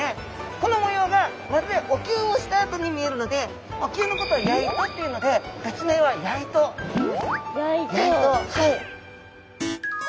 この模様がまるでお灸をしたあとに見えるのでお灸のことをやいとって言うので別名はやいとっていいます。